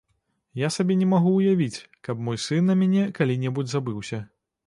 Я сабе не магу ўявіць, каб мой сын на мяне калі-небудзь забыўся.